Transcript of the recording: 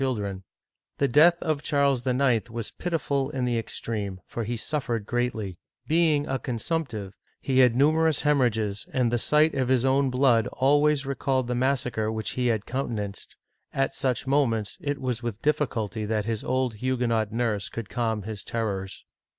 children. The death of Charles IX. was pitiful in the extreme, for he suffered greatly. Being a consumptive, he had nu Painting by Monvolsin. The Remorse of Charles IX. merous hemorrhages, and the sight of his own blood always recalled the massacre which he had countenanced. At such moments it was with difficulty that his old Huguenot nurse could calm his terrors.